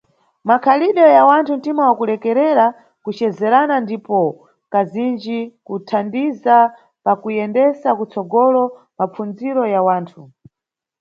Makhalidwe ya wanthu, ntima wa kulekerera, kucezerana ndipo, kazinji, kuthandiza pakuyendesa kutsogolo mapfundziro ya wanthu.